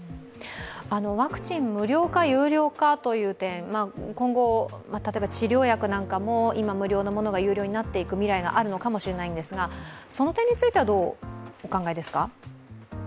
ワクチン無料化、有料化という点今後治療薬なんかも、今無料のものが有料になっていく未来があるのかもしれないんですがその点についてはどうお考えですか？